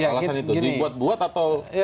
alasan itu dibuat buat atau